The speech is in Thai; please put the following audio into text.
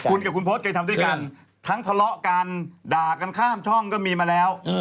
คุณกับคุณพศเคยทำด้วยกันทั้งทะเลาะกันด่ากันข้ามช่องก็มีมาแล้ว